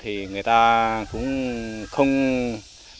thì người ta cũng không có tiền